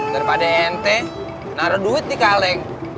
daripada ente taruh duit di kaleng